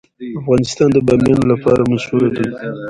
افغانستان د بامیان لپاره مشهور دی.